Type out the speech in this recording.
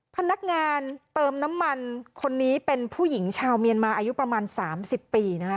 พนักงานเติมน้ำมันคนนี้เป็นผู้หญิงชาวเมียนมาอายุประมาณ๓๐ปีนะคะ